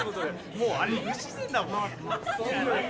もう不自然だもん。